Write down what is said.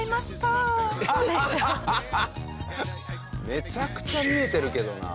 めちゃくちゃ見えてるけどな。